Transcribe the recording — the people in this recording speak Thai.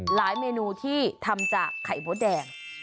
เมนูที่ทำจากไข่มดแดง